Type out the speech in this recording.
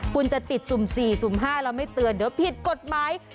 คุณจะติดสุ่ม๔สุ่ม๕เราไม่เตือนเดี๋ยวผิดกฎหมาย